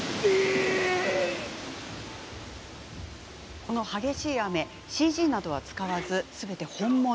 この激しい雨、ＣＧなどは使わず本物。